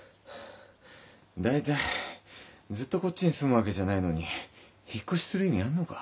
だいたいずっとこっちに住むわけじゃないのに引っ越しする意味あんのか？